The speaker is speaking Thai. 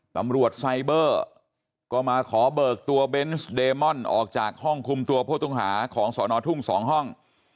ตำรวจไซเบอร์ก็มาขอเบิกตัวเบนส์เดมอนออกจากห้องคุมตัวผู้ต้องหาของสอนอทุ่ง๒ห้อง